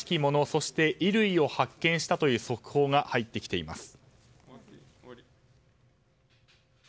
そして、衣類を発見したという速報が入ってきています。